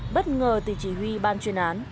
bất ngờ từ chỉ huy ban chuyên án